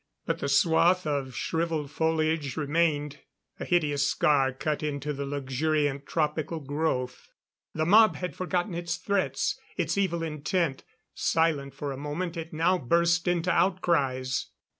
But the swath of shriveled foliage remained a hideous scar cut into the luxuriant tropical growth. The mob had forgotten its threats, its evil intent. Silent for a moment, it now burst into outcries.